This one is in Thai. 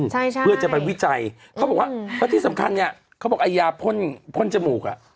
ใช่ใช่เพื่อจะไปวิจัยเขาบอกว่าแล้วที่สำคัญเนี้ยเขาบอกไอ้ยาพ่นพ่นจมูกอ่ะ